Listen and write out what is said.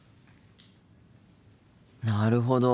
なるほど。